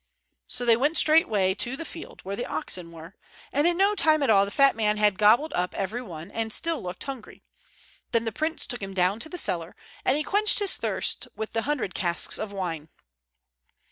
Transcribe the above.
So they went straightway to the field where the oxen were, and in no time at all the fat man had gobbled up every one, and still looked hungry. Then the prince took him down to the cellar, and he quenched his thirst with the hundred casks of wine.